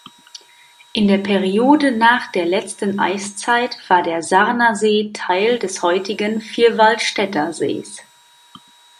In der Periode nach der letzten Eiszeit war der Sarnersee Teil des heutigen Vierwaldstättersees.